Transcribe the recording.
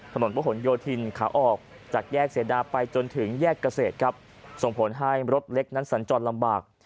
ถนนพระหลโยธินขาออกจากแยกเสดาไปจนถึงแยกเกษตรครับส่งผลให้รถเล็กนั้นสัญจรลำบาก